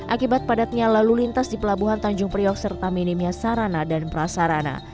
akibat padatnya lalu lintas di pelabuhan tanjung priok serta minimnya sarana dan prasarana